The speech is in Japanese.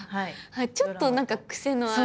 ちょっと何かクセのある。